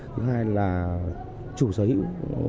thứ hai là chủ sở hữu